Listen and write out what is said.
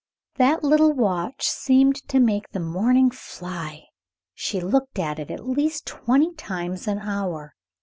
That little watch seemed to make the morning fly. She looked at it at least twenty times an hour.